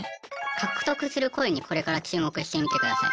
獲得するコインにこれから注目してみてください。